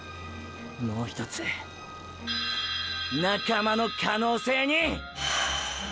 もうひとつ仲間の可能性に！！